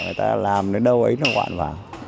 người ta làm đến đâu ấy nó hoạn vào